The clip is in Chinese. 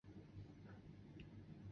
为侯姓集居区。